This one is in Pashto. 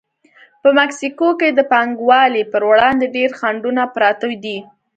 په مکسیکو کې د پانګوالو پر وړاندې ډېر خنډونه پراته دي.